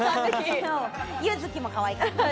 柚希もかわいかった。